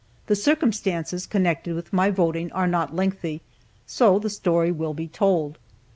The circumstances connected with my voting are not lengthy, so the story will be told.